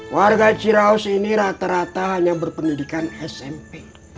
warga ciraus ini rata rata hanya berpendidikan smp